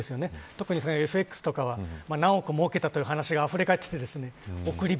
特にＦＸとかは何億儲けたという話があふれかえって、億り